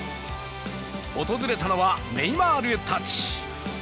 訪れたのはネイマールたち。